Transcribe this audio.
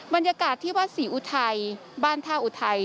บรรยากาศที่วัดศรีอุทัยบ้านท่าอุทัย